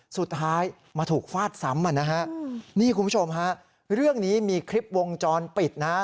สุดท้ายมาถูกฟาดซ้ำอ่ะนะฮะนี่คุณผู้ชมฮะเรื่องนี้มีคลิปวงจรปิดนะฮะ